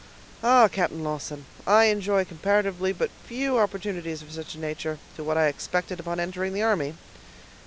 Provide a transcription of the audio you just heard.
Ah! Captain Lawton, I enjoy comparatively but few opportunities of such a nature, to what I expected on entering the army."